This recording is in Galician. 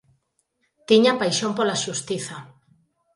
Tiña paixón pola xustiza.